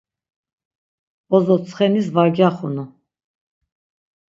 Bozo ntsxenis var gyaxunu.